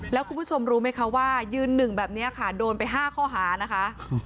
แล้วคุณผู้ชมรู้ไหมคะว่ายืนหนึ่งแบบนี้ค่ะโดนไป๕ข้อหานะคะ